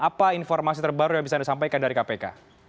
apa informasi terbaru yang bisa disampaikan dari kpk